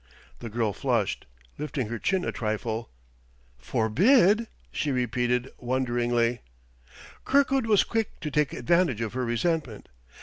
The girl flushed, lifting her chin a trifle. "Forbid?" she repeated wonderingly. Kirkwood was quick to take advantage of her resentment.